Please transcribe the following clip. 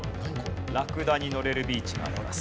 ラクダに乗れるビーチがあります。